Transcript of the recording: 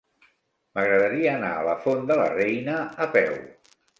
M'agradaria anar a la Font de la Reina a peu.